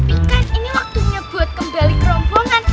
ini waktunya buat kembali ke rombongan